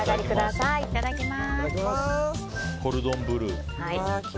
いただきます。